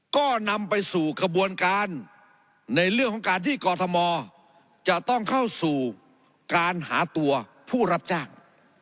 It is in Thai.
ก็นำไปสู่กระบวนการในเรื่องของการที่กรทมจะต้องเข้าสู่การหาตัวผู้รับจ้าง